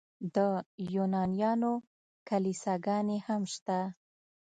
د یونانیانو کلیساګانې هم شته.